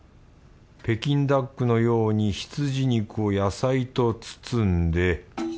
北京ダックのように羊肉を野菜と包んで。